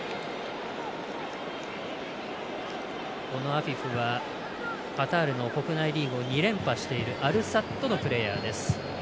アフィフはカタールの国内リーグを２連覇しているアルサッドのプレーヤーです。